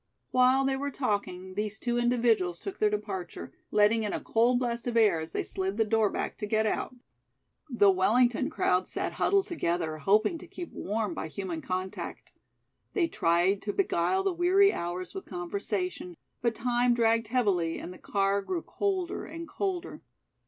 While they were talking, these two individuals took their departure, letting in a cold blast of air as they slid the door back to get out. The Wellington crowd sat huddled together, hoping to keep warm by human contact. They tried to beguile the weary hours with conversation, but time dragged heavily and the car grew colder and colder.